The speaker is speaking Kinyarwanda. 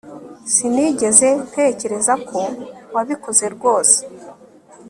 sinigeze ntekereza ko wabikoze rwose